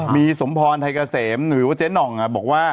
มีสมพรไทยเกษมหรือว่าเจ๊หน่องบอกว่า